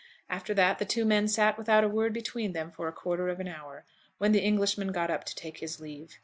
After that the two men sat without a word between them for a quarter of an hour, when the Englishman got up to take his leave.